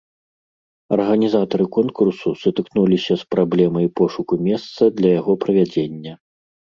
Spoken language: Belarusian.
Арганізатары конкурсу сутыкнуліся з праблемай пошуку месца для яго правядзення.